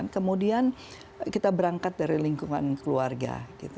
kemudian kita berangkat dari lingkungan keluarga